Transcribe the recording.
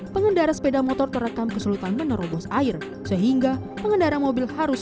pengendara sepeda motor terekam kesulitan menerobos air sehingga pengendara mobil harus